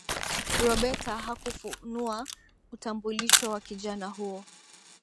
roberta hakufunua utambulisho wa kijana huyo